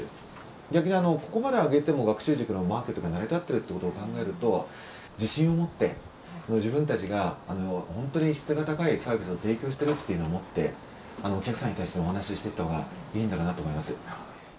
逆に、ここまで上げても学習塾のマーケットが成り立っているということを考えると、自信を持って、自分たちが本当に質が高いサービスを提供してるっていうのを思って、お客さんに対してお話ししていったほうがいいのかなと思います。